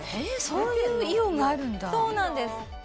そういうイオンがあるんだそうなんです